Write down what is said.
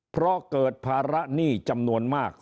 เพราะเกิดภาระหนี้จำนวนมาก